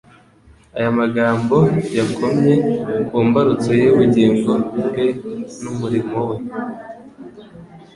Aya magambo yakomye ku mbarutso y’ubugingo bwe n’umurimo we